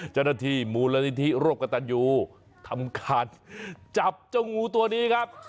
เจ้าหน้าที่มูลนิธิร่วมกับตันยูทำการจับเจ้างูตัวนี้ครับ